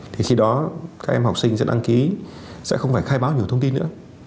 thì khi đó các em học sinh sẽ đăng ký sẽ không phải khai báo nhiều thông tin nữa